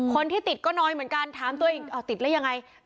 คนที่ติดก็น้อยเหมือนกันถามตัวเองเอาติดแล้วยังไง